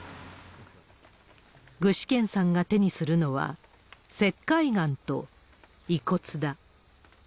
具志堅さんが手にするのは、石灰岩と遺骨だ。